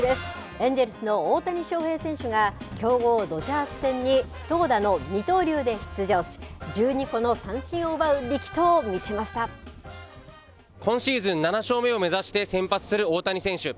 エンジェルスの大谷翔平選手が強豪ドジャース戦に投打の二刀流で出場し１２個の三振を奪う今シーズン７勝目を目指して先発する大谷選手。